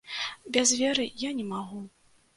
Без веры я не магу.